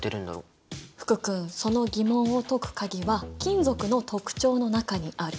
福君その疑問を解く鍵は金属の特徴の中にある！